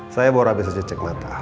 saya baru habis saja cek mata